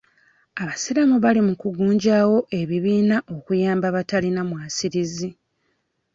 Abasiraamu bali mu kugunjaawo ebibiina okuyamba abatalina mwasirizi.